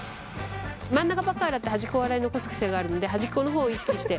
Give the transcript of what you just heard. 真ん中ばっかり洗って端っこを洗い残す癖があるんで端っこの方を意識して。